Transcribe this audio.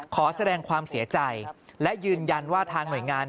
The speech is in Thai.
ขอแสดงความเสียใจและยืนยันว่าทางหน่วยงาน